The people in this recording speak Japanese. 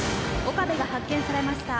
岡部が発見されました。